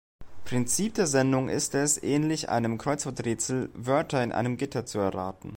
Prinzip der Sendung ist es, ähnlich einem Kreuzworträtsel Wörter in einem Gitter zu erraten.